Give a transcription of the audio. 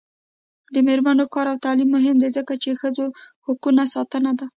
د میرمنو کار او تعلیم مهم دی ځکه چې ښځو حقونو ساتنه ده.